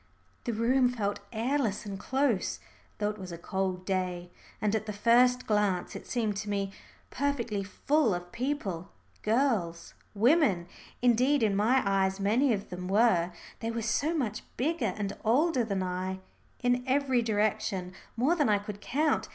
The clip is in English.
The room felt airless and close, though it was a cold day. And at the first glance it seemed to me perfectly full of people girls women indeed in my eyes many of them were, they were so much bigger and older than I in every direction, more than I could count.